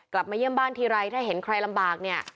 กลับมาเยี่ยมบ้านทีไรถ้าเห็นใครลำบากเนี่ย